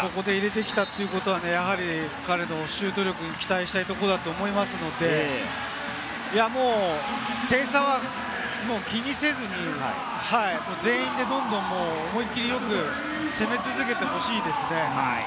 ここで入れてきたということは、彼のシュート力に期待しているところだと思いますし、点差も気にせずに全員でどんどん思いっきりよく攻め続けてほしいですね。